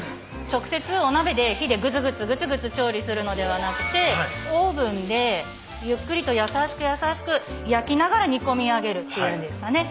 直接お鍋で火でグツグツグツグツ調理するのではなくてオーブンでゆっくりと優しく優しく焼きながら煮込み上げるっていうんですかね